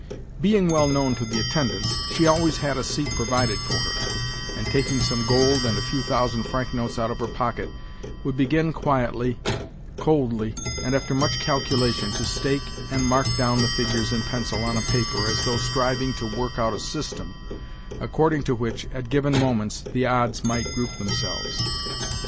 Being well known to the attendants, she always had a seat provided for her; and, taking some gold and a few thousand franc notes out of her pocket—would begin quietly, coldly, and after much calculation, to stake, and mark down the figures in pencil on a paper, as though striving to work out a system according to which, at given moments, the odds might group themselves.